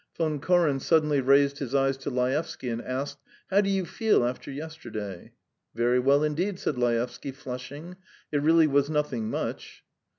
Von Koren suddenly raised his eyes to Laevsky and asked: "How do you feel after yesterday?" "Very well indeed," said Laevsky, flushing. "It really was nothing much.